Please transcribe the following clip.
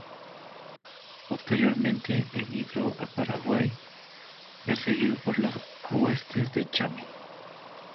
Posteriormente emigró a Paraguay perseguido por las huestes de Chapi.